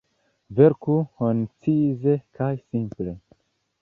Verku koncize kaj simple.